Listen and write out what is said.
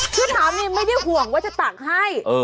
คือถามินไม่ได้ห่วงว่าจะตักให้